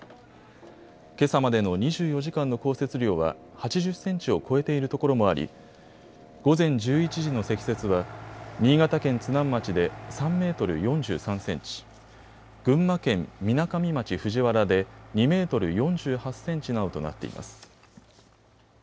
けさまでの２４時間の降雪量は８０センチを超えているところもあり、午前１１時の積雪は新潟県津南町で３メートル４３センチ、群馬県みなかみ町藤原で２メートル４８センチなどとなっています。